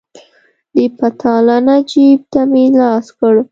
د پتلانه جيب ته مې لاس کړ.